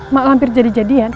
mak lampir jadi jadian